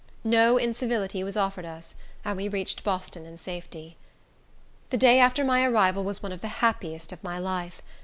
No incivility was offered us, and we reached Boston in safety. The day after my arrival was one of the happiest of my life.